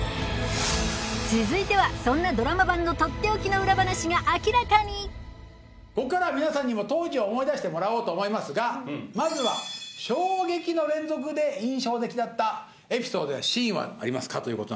続いてはそんなドラマ版のとっておきの裏話が明らかにここからは皆さんにも当時を思い出してもらおうと思いますがまずは衝撃の連続で印象的だったエピソードやシーンはありますかという。